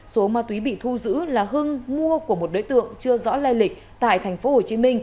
số ma túy bị thu giữ là hưng mua của một đối tượng chưa rõ lai lịch tại tp hcm